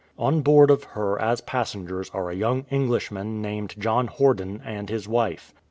On board of her as passengers are a young Englishman named John Horden and his wife.